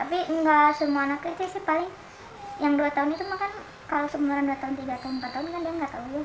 tapi nggak semua anak itu sih paling yang dua tahun itu mah kan kalau sebenarnya dua tahun tiga tahun empat tahun kan dia nggak tau ya